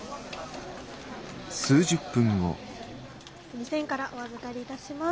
２，０００円からお預かりいたします。